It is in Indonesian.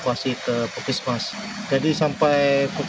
korban satu orang yang terjadi di tempat ini